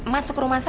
masuk rumah saya